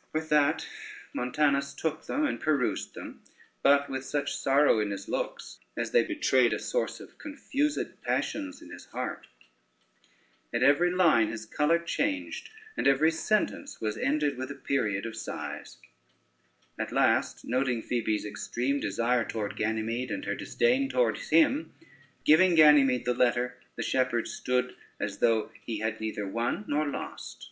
] With that Montanus took them and perused them, but with such sorrow in his looks, as they betrayed a source of confused passions in his heart; at every line his color changed, and every sentence was ended with a period of sighs. At last, noting Phoebe's extreme desire toward Ganymede and her disdain towards him, giving Ganymede the letter, the shepherd stood as though he had neither won nor lost.